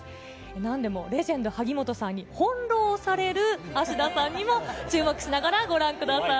なんでもレジェンド、萩本さんに翻弄される芦田さんにも注目しながらご覧ください。